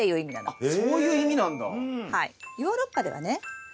ヨーロッパではね